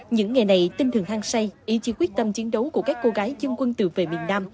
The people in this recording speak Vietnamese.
những ngày này tinh thường hăng say ý chí quyết tâm chiến đấu của các cô gái dân quân tự vệ miền nam